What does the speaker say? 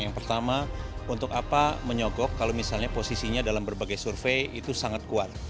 yang pertama untuk apa menyogok kalau misalnya posisinya dalam berbagai survei itu sangat kuat